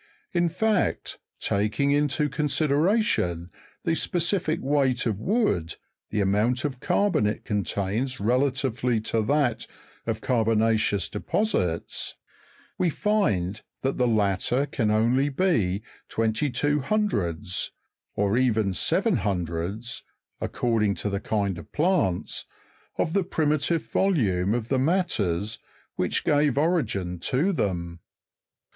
In fact, taking into consideration the specific weight of wood, the amount of carbon it contains relatively to that of carbona'eeous deposits, we find that the latter can only be twenty two hundreds, or even seven hundreds (according to the kind of plants), of the primitive volume of the matters which gave origin to them.